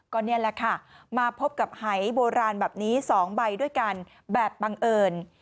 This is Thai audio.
ก็นี่แหละค่ะมาพบกับหายโบราณแบบนี้๒ใบด้วยกันแบบบังเอิญ